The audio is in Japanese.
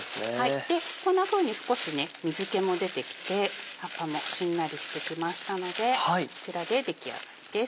こんなふうに少し水気も出てきて葉っぱもしんなりしてきましたのでこちらで出来上がりです。